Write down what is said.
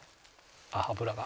あっ脂が。